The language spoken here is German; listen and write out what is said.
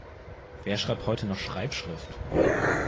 Wer schreibt heute noch Schreibschrift?